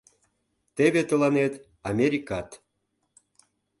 Теве тыланет Америкат...